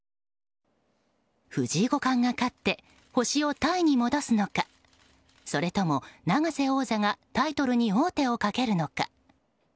藤井五冠が勝って星をタイに戻すのかそれとも永瀬王座がタイトルに王手をかけるのか。